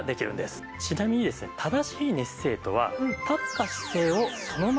ちなみにですね正しい寝姿勢とは。